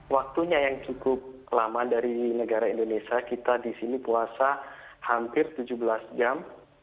waktunya yang cukup lama dari negara indonesia kita di sini puasa hampir tujuh belas jam